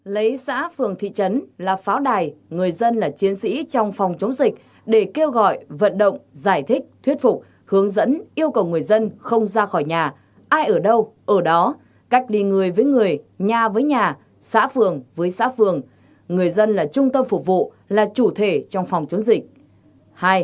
một lấy xã phường thị trấn là pháo đài người dân là chiến sĩ trong phòng chống dịch để kêu gọi vận động giải thích thuyết phục hướng dẫn yêu cầu người dân không ra khỏi nhà ai ở đâu ở đó cách đi người với người nhà với nhà xã phường với xã phường người dân là trung tâm phục vụ là chủ thể trong phòng chống dịch